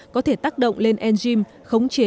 có thể tác động lên enzyme khống chế